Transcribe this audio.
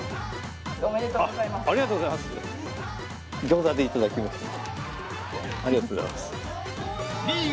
ありがとうございます。